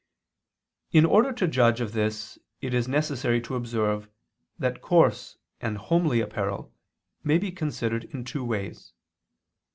In order to judge of this it is necessary to observe that coarse and homely apparel may be considered in two ways.